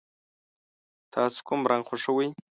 تاسو کوم رنګ خوښوئ؟